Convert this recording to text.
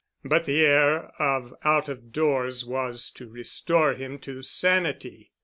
But the air of out of doors was to restore him to sanity.